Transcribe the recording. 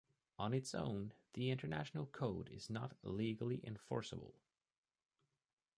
On its own, the International Code is not legally enforceable.